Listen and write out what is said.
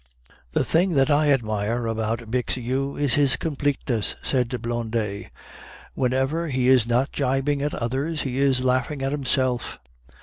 "The thing that I admire about Bixiou is his completeness," said Blondet; "whenever he is not gibing at others, he is laughing at himself."